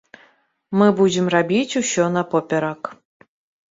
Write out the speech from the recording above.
Мы будзем рабіць усё напоперак.